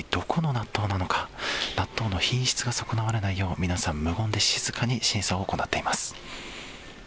納豆の品質が損なわれないよう、皆さん無言で静かに審査を行っています。